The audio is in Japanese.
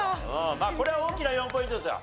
まあこれは大きな４ポイントですよ。